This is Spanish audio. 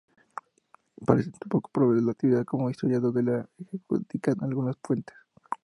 Parece poco probable la actividad como historiador que le adjudican algunas fuentes.